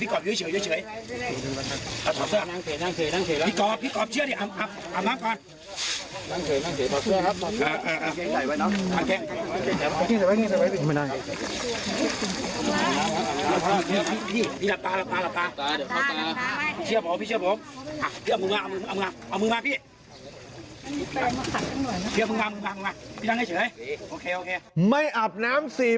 พี่กรอบเยอะเฉยเยอะเฉยนั่งเฉยนั่งเฉยนั่งเฉย